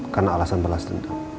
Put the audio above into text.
karena alasan balas dendam